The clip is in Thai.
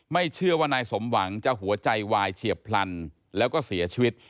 ไม่เชื่อว่านายสมหวังจะหัวใจวายเฉียบพลันแล้วก็เสียชีวิต